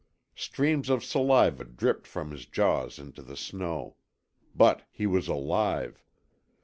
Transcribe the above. Streams of saliva dripped from his jaws into the snow. But he was alive.